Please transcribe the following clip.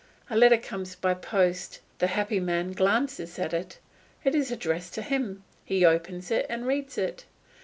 A letter comes by post; the happy man glances at it, it is addressed to him, he opens it and reads it.